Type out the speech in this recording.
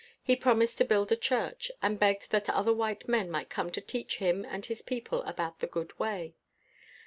He promised to build a church, and begged that other white men might come to teach him and his people about the good way.